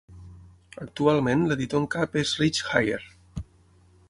Actualment l'editor en cap és Rich Haier.